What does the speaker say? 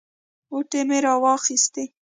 غوټې مې راواخیستې.